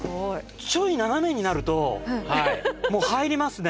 ちょい斜めになると入りますね。